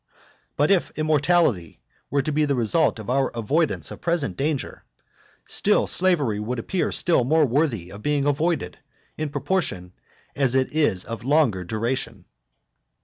But if immortality were to be the result of our avoidance of present danger, still slavery would appear still more worthy of being avoided, in proportion as it is of longer duration.